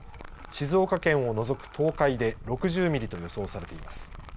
静岡県を除く東海で６０ミリと予想されています。